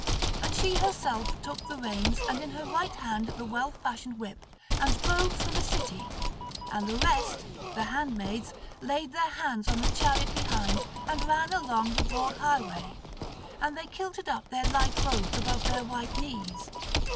And she herself took the reins and in her right hand the well fashioned whip, and drove through the city; and the rest, the handmaids, laid their hands on the chariot behind and ran along the broad highway; and they kilted up their light robes above their white knees.